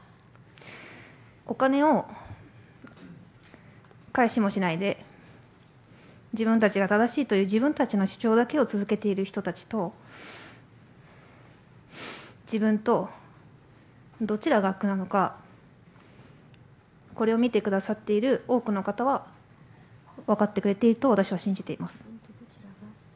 お金を返しもしないで、自分たちが正しいという、自分たちの主張だけを続けている人たちと、自分とどちらが悪なのか、これを見てくださっている多くの方は、分かってくれていると私は信じています。